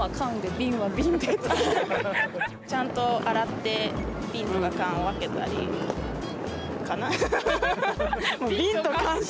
ちゃんと洗ってビンとかカンを分けたりかな。